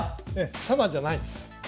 タダじゃないです。